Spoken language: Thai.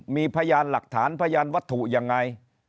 มีพยานหลักฐานพยานวัตถุยังไง